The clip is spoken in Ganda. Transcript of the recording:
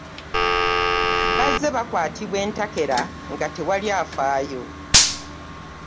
Bazze bakwatibwa entakera nga tewali afaayo.